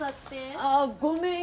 ああごめんよ。